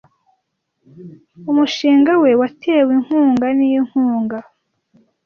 Umushinga we watewe inkunga ninkunga.